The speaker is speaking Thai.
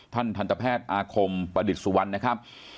ทันทันตแพทย์อาคมประดิษฐ์สุวรรณนะครับ